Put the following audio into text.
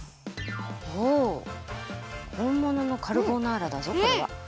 おほんもののカルボナーラだぞこれは。